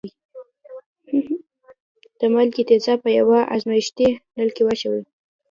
د مالګې تیزاب په یوه ازمیښتي نل کې واچوئ.